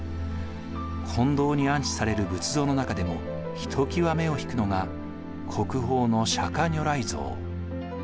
金堂に安置される仏像の中でもひときわ目を引くのが国宝の釈如来像。